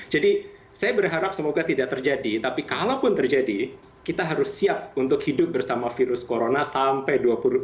jadi saya berharap semoga tidak terjadi tapi kalaupun terjadi kita harus siap untuk hidup bersama virus corona sampai dua ribu dua puluh dua